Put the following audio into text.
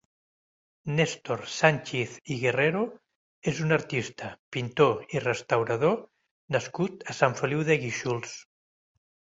Néstor Sanchiz i Guerrero és un artista, pintor i restaurador nascut a Sant Feliu de Guíxols.